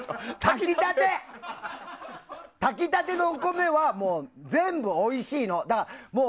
炊き立てのお米は全部おいしいの。